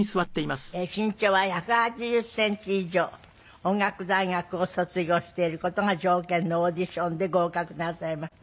身長は１８０センチ以上音楽大学を卒業している事が条件のオーディションで合格なさいました。